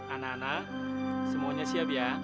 anak anak semuanya siap ya